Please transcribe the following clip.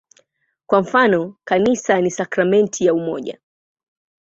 Kwa mfano, "Kanisa ni sakramenti ya umoja".